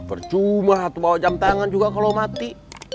bercuma hati bawa jam tangan juga kalau mati